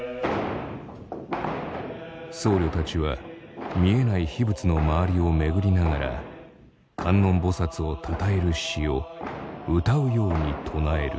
僧侶たちは見えない秘仏の周りを巡りながら観音菩をたたえる詩を歌うように唱える。